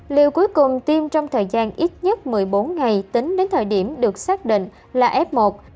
liều cuối cùng tiêm trong thời gian ít nhất một mươi bốn ngày tính đến thời điểm được xác định là f một